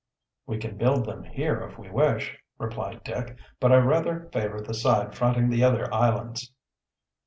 "We can build them here, if we wish," replied Dick. "But I rather favor the side fronting the other islands."